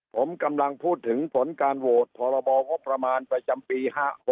ผมกำลังพูดถึงผลการโหวตพรบงบประมาณประจำปี๕๖